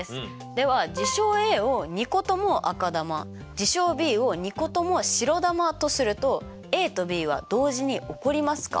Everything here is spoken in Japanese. では事象Ａを２個とも赤球事象Ｂを２個とも白球とするとＡとＢは同時に起こりますか？